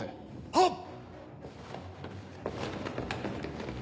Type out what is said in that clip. はっ！